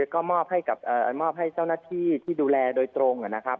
ก็มอบให้เจ้าหน้าที่ที่ดูแลโดยตรงนะครับ